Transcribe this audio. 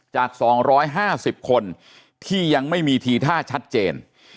จาก๒๕๐คนที่ยังไม่มีทีท่าชัดเจน